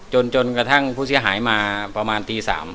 จนกระทั่งผู้เสียหายมาประมาณตี๓